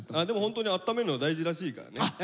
でもホントにあっためるのは大事らしいからね。